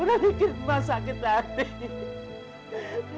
lu udah bikin emak sakit hati